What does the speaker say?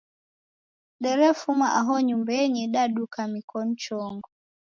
Derefuma aho nyumbenyi daduka mikon chongo.